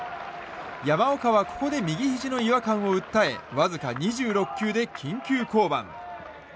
山岡は、ここで右ひじの違和感を訴えわずか２６球で緊急降板。